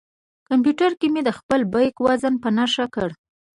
کمپیوټر کې مې د خپل بیک وزن په نښه کړ.